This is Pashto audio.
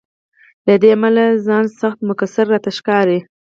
له دې امله ځان سخت مقصر راته ښکاري.